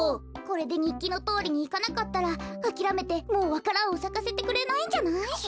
これでにっきのとおりにいかなかったらあきらめてもうわか蘭をさかせてくれないんじゃない？